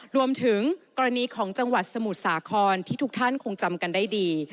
รวมถึงกรณีของจังหวัดสมุทรสาครที่ทุกท่านคงจำกันได้ดี